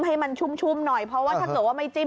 ให้มันชุ่มหน่อยเพราะว่าถ้าเกิดว่าไม่จิ้ม